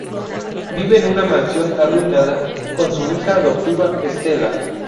Vive en una mansión arruinada con su hija adoptiva, Estella.